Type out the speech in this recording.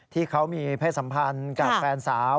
ที่เขามีเพศสัมพันธ์กับแฟนสาว